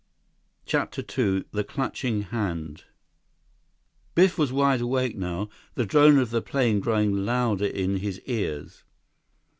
CHAPTER II The Clutching Hand Biff was wide awake now, the drone of the plane growing louder in his ears.